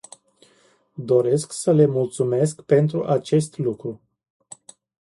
Doresc să le mulțumesc pentru acest lucru.